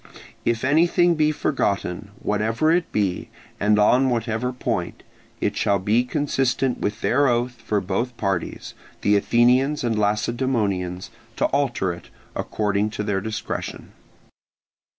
If anything be forgotten, whatever it be, and on whatever point, it shall be consistent with their oath for both parties, the Athenians and Lacedaemonians, to alter it, according to their discretion.